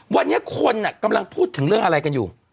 วันนี้คนกำลังพูดถึงเรื่องอะไรกันอยู่